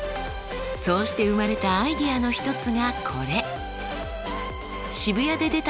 そうして生まれたアイデアの一つがこれ。